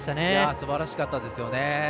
すばらしかったですよね。